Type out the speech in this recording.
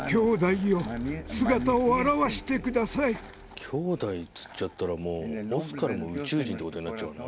兄弟っつっちゃったらもうオスカルも宇宙人ってことになっちゃわない？